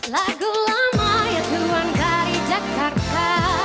lagu lama ya tuhan dari jakarta